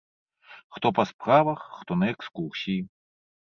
Хто па справах, хто на экскурсіі.